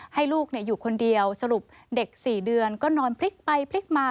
ให้ลูกอยู่คนเดียวสรุปก็นอนพลิกไปพลิกมา